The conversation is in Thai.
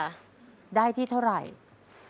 ชอบร้องเพลงเหรอลูกค่ะ